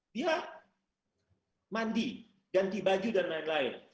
dia mandi ganti baju dan lain lain